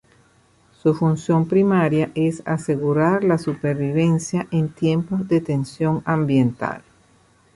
Su función primaria es asegurar la supervivencia en tiempos de tensión ambiental.